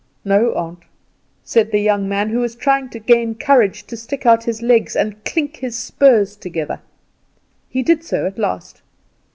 "No, aunt," said the young man, who was trying to gain courage to stick out his legs and clink his spurs together. He did so at last.